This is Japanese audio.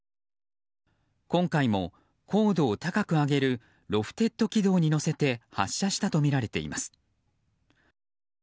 今回も高度を高く上げるロフテッド軌道に乗せて発射したとみられています。